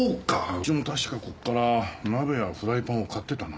うちも確かここから鍋やフライパンを買ってたな。